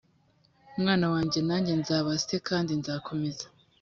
umwana wanjye nanjye nzaba se kandi nzakomeza